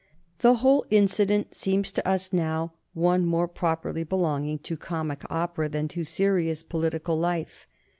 The whole incident seems to us now one more properly belonging to comic opera than to serious political life.